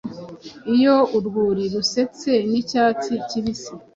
iyo urwuri rusetse n'icyatsi kibisi,